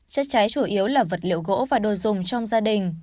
chất cháy chủ yếu là vật liệu gỗ và đồ dùng trong gia đình